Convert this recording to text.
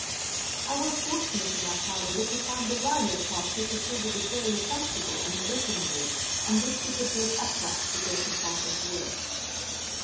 I was fortunate enough, however, to find a rhino path which afforded a fairly comfortable and open road, on which we could walk upright the greater part of the way.